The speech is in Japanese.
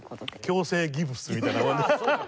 矯正ギプスみたいなもの。